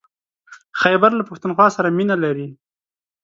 خيبر له پښتونخوا سره مينه لري.